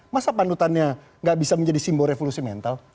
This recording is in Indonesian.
masa panutannya gak bisa menjadi simbol revolusi mental